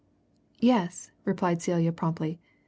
"Yes," replied Celia promptly.